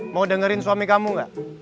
mau dengerin suami kamu gak